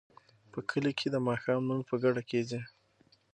په کلي کې د ماښام لمونځ په ګډه کیږي.